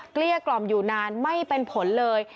เกลี้ยกล่อมอยู่นานไม่เป็นผลเลย